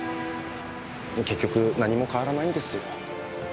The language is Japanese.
結局何も変わらないんですよ。